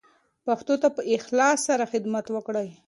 پښتو ته په اخلاص سره خدمت وکړئ.